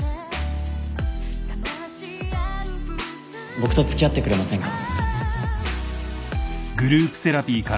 僕と付き合ってくれませんか？